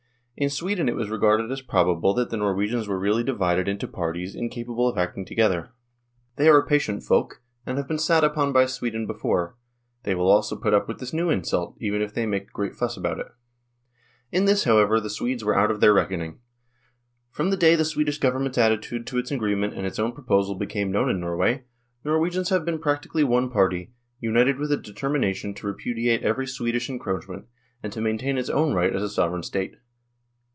In Sweden it was regarded as probable that the Norwegians were really divided into parties incapable of acting together ; THE POLITICAL SITUATION 83 " they are a patient folk, and have been sat upon by Sweden before ; they will also put up with this new insult, even if they make a great fuss about it." In this, however, the Swedes were out of their reckoning. From the day the Swedish Government's attitude to its agreement and its own proposal became known in Norway, Norwegians have been practically one party, united with a determination to repudiate every Swedish encroachment, and to maintain its own right as a Sovereign State.